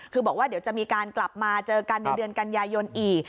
คือบอกว่าเดี๋ยวจะมีการกลับมาเจอกันในเดือนกันยายนอีก